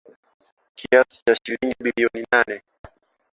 Kiasi cha shilingi bilioni nane